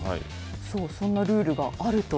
そう、そんなルールがあると。